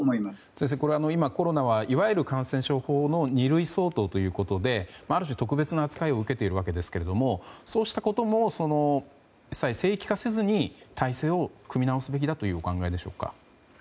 先生、今、コロナはいわゆる感染症法の二類相当ということで、ある種特別な扱いを受けているわけですがそうしたことも、聖域化せずに体制を組み直すべきだというお考えでしょうか？